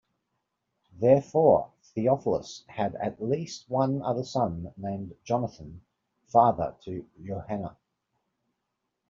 Therefore, Theophilus had at least one other son named Jonathan, father to Johanna.